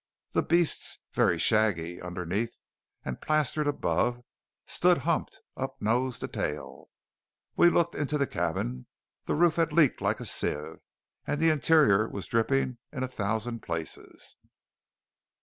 The beasts, very shaggy underneath and plastered above, stood humped up nose to tail. We looked into the cabin. The roof had leaked like a sieve; and the interior was dripping in a thousand places.